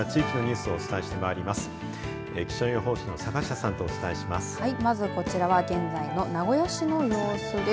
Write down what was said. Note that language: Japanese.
はい、まずこちらは現在の名古屋市の様子です。